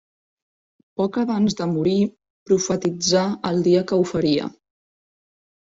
Poc abans de morir, profetitzà el dia que ho faria.